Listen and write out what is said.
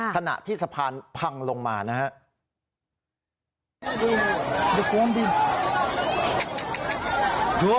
ขณะที่สะพานพังลงมานะครับ